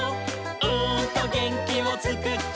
「うーんとげんきをつくっちゃう」